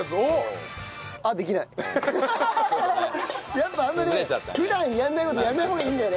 やっぱあんまりね普段やらない事やらない方がいいんだよね。